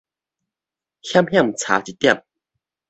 險險差一點